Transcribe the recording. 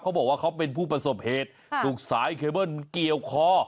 เขาบอกว่าเขาเป็นผู้ประสบเหตุถูกสายเคเบิ้ลเกี่ยวคอ